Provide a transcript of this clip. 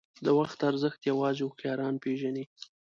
• د وخت ارزښت یوازې هوښیاران پېژني.